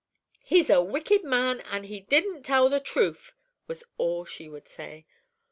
"He's a wicked man, and he didn't tell the trufe," was all she would say.